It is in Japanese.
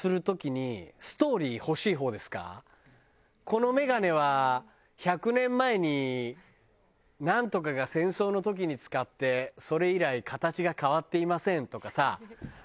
ＪＴ「この眼鏡は１００年前にナントカが戦争の時に使ってそれ以来形が変わっていません」とかさ。